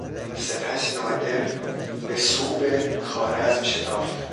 سپس نادر به صوب خوارزم شتافت.